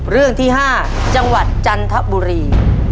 เรื่องที่๕จังหวัดจันทบุรี